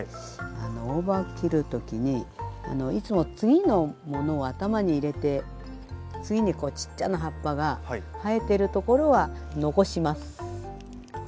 大葉を切る時にいつも次のものを頭に入れて次にちっちゃな葉っぱが生えてるところは残します。